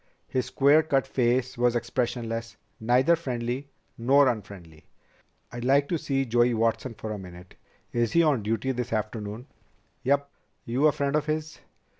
His square cut face was expressionless, neither friendly nor unfriendly. "I'd like to see Joey Watson for a minute. Is he on duty this afternoon?" "Yep. You a friend of his?"